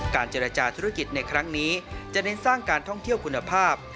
เจรจาธุรกิจในครั้งนี้จะเน้นสร้างการท่องเที่ยวคุณภาพ